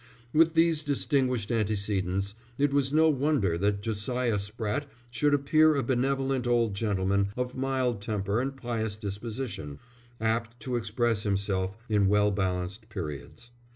With these distinguished antecedents it was no wonder that Josiah Spratte should appear a benevolent old gentleman of mild temper and pious disposition, apt to express himself in well balanced periods.